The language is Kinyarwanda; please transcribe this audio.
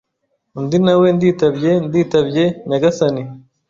undi nawe nditabye nditabye nyagasani